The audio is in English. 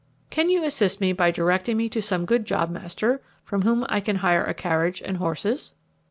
Can you assist me by directing me to some good jobmaster from whom I can hire a carriage and horses?"